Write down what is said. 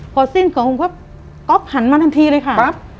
พอสิ้นของผมก็ก๊อฟหันมาทันทีเลยค่ะปั๊บ